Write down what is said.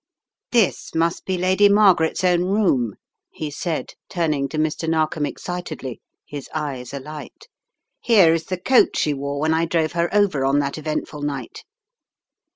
"This must be Lady Margaret's own room, ,, he said, turning to Mr. Narkom excitedly, his eyes alight; "here is the coat she wore when I drove her over on that eventful night."